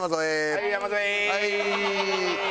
はい！